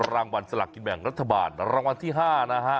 รางวัลสลักกินแบ่งรัฐบาลรางวัลที่๕นะฮะ